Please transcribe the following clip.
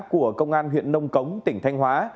của công an huyện nông cống tỉnh thanh hóa